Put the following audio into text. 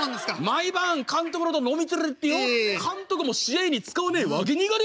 「毎晩監督のこと飲み連れてってよ監督も試合に使わねえわけねえからな。